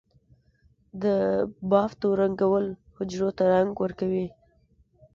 د بافتو رنگول حجرو ته رنګ ورکوي.